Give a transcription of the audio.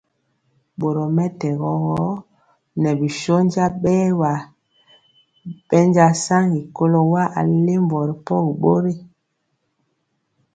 Borɔ mɛtɛgɔ gɔ, ŋɛɛ bi shónja bɛɛwa bɛnja saŋgi kɔlo wa alimbɔ ripɔgi bori.